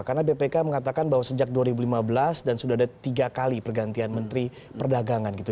karena bpk mengatakan bahwa sejak dua ribu lima belas dan sudah ada tiga kali pergantian menteri perdagangan gitu